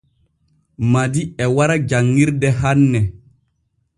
Madi e wara janŋirde hanne.